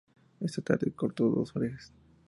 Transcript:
Esa tarde cortó dos orejas.